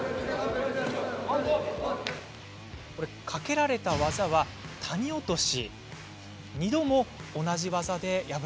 かけられた技は谷落とし。